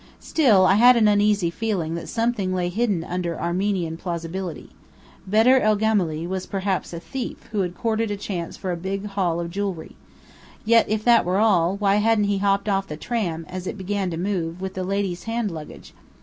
Still, I had an uneasy feeling that something lay hidden under Armenian plausibility. Bedr el Gemály was perhaps a thief who had courted a chance for a big haul of jewellery. Yet if that were all, why hadn't he hopped off the tram, as it began to move, with the ladies' hand luggage?